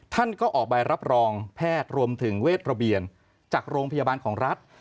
ท่านก็ออกใบรับรองแพทย์รวมถึงเวทระเบียนจากโรงพยาบาลของรัฐ